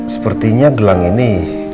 sepertinya gelang ini